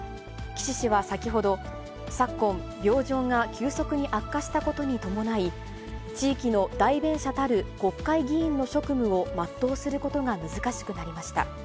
岸氏は先ほど、昨今、病状が急速に悪化したことに伴い、地域の代弁者たる国会議員の職務をまっとうすることが難しくなりました。